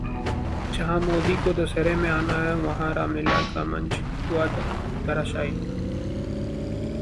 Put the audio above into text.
जहां मोदी को दशहरे में आना है, वहां रामलीला का मंच हुआ धराशाई